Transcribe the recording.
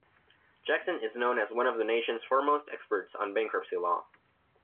Jackson is known as one of the nation's foremost experts on bankruptcy law.